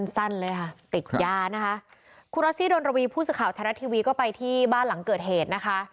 สั้นเลยค่ะติดยานะคะคุณรัสซี่ดนระวีผู้สื่อข่าวไทยรัฐทีวีก็ไปที่บ้านหลังเกิดเหตุนะคะ